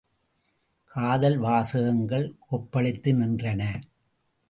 காதல் வாசகங்கள் கொப்பளித்து நின்றன.